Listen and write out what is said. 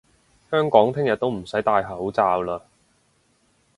香港聽日都唔使戴口罩嘞！